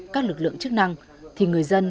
các lực lượng chức năng thì người dân